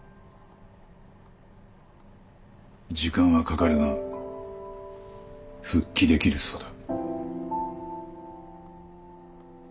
時間はかかるが復帰できるそうだ。